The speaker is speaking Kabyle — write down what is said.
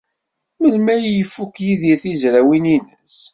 Melmi ay ifuk Yidir tizrawin-nnes?